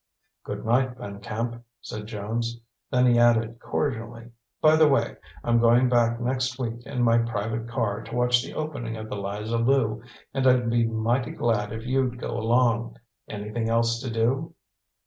"Good night, Van Camp," said Jones; then he added cordially: "By the way, I'm going back next week in my private car to watch the opening of the Liza Lu, and I'd be mighty glad if you'd go along. Anything else to do?"